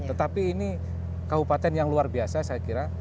tetapi ini kabupaten yang luar biasa saya kira